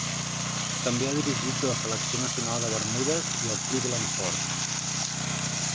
També ha dirigit la selecció nacional de Bermudes i el Cleveland Force.